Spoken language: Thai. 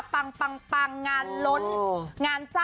พี่ตะกะแทนนะคะ